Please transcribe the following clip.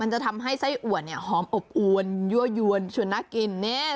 มันจะทำให้ไส้อัวเนี้ยหอมอบอวนยั่วยวนชุดน่ากินเนี้ย